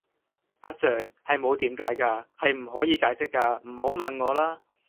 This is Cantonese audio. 阿 sir, 係冇點解架,係唔可以解釋架,唔好問我啦!